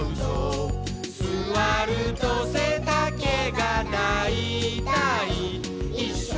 「すわるとせたけがだいたいいっしょ」